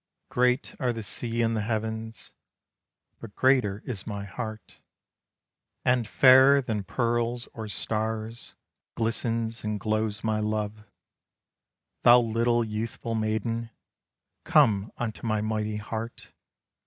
Great are the sea and the heavens, But greater is my heart. And fairer than pearls or stars Glistens and glows my love, Thou little, youthful maiden, Come unto my mighty heart.